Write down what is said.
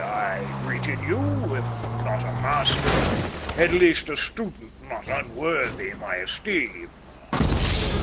I greet in you, if not a master, at least a student not unworthy my esteem."